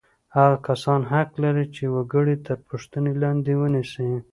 هغه کسان حق لري چې وګړي تر پوښتنې لاندې ونیسي.